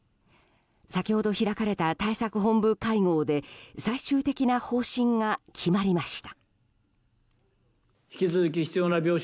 先ほど開かれた対策本部会合で最終的な方針が決まりました。